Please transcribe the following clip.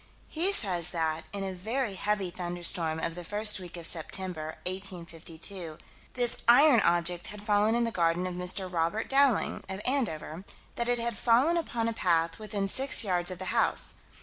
He says that, in a very heavy thunderstorm, of the first week of September, 1852, this iron object, had fallen in the garden of Mr. Robert Dowling, of Andover; that it had fallen upon a path "within six yards of the house."